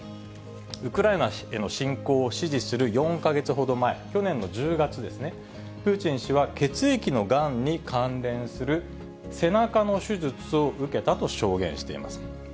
ウクライナへの侵攻を指示する４か月ほど前、去年の１０月ですね、プーチン氏は血液のがんに関連する背中の手術を受けたと証言しています。